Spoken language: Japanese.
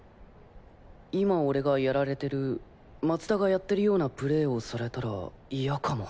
今俺がやられてる松田がやってるようなプレーをされたら嫌かも。